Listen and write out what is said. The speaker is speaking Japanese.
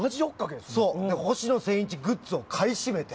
星野仙一グッズを買い占めて。